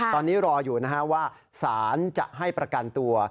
ตอนนี้รออยู่นะฮะว่าสารจะให้ประกันตัว